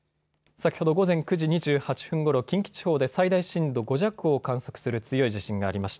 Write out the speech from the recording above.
先ほど午前９時２８分ごろ近畿地方で最大震度５弱を観測する強い地震がありました。